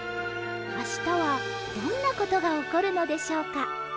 あしたはどんなことがおこるのでしょうか。